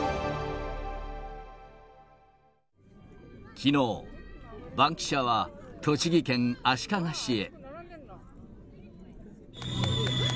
きのう、バンキシャは栃木県足利市へ。